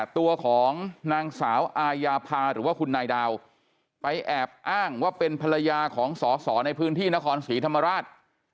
ตัวของนางสาวอายาพาหรือว่าคุณนายดาวไปแอบอ้างว่าเป็นภรรยาของสอสอในพื้นที่นครศรีธรรมราช